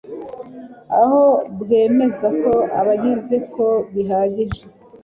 aho bwemeza ko abagize ko bihagije